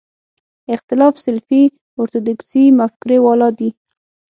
اختلاف سلفي اورتودوکسي مفکورې والا دي.